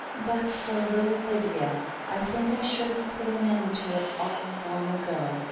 "But for little Lydia, I think I should have put an end to it all long ago.